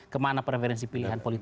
kemana referensi pilihan politik